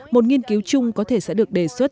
một nghiên cứu chung có thể sẽ được đề xuất